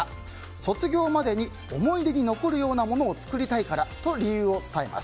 卒業までに思い出に残るようなものを作りたいからと理由を伝えます。